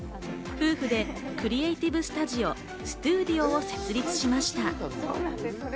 夫婦でクリエイティブスタジオ・ＳＴＵＤＥＯを設立しました。